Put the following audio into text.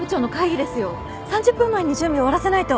３０分前に準備終わらせないと！